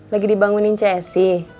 lagi dibangunin csi